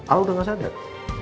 al udah gak sadar